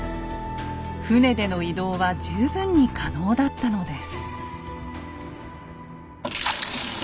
船での移動は十分に可能だったのです。